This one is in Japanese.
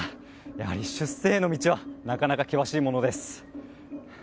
やはり出世への道はなかなか険しいものです。